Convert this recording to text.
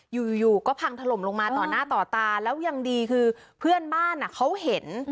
อยู่อยู่ก็พังถล่มลงมาต่อหน้าต่อตาแล้วยังดีคือเพื่อนบ้านเขาเห็น